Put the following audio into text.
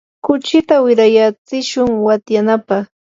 kuchita wirayatsishun watyanapaq.